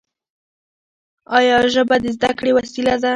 ایا ژبه د زده کړې وسیله ده؟